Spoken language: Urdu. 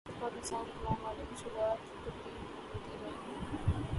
تو پاکستان کی تمام مالی مشکلات بتدریج دور ہوتی جائیں گی۔